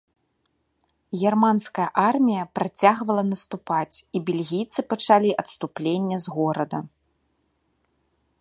Германская армія працягвала наступаць, і бельгійцы пачалі адступленне з горада.